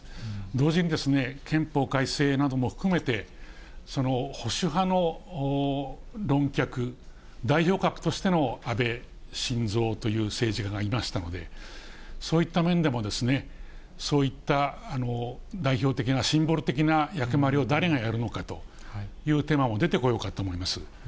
同時に、憲法改正なども含めて、保守派の論客、代表格としての安倍晋三という政治家がいましたので、そういった面でも、そういった代表的な、シンボル的な役回りをだれがやるのかというテーマも出てこようかと思います。